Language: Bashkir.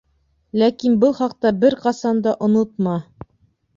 Ләкин был хаҡта бер ҡасан да онотма!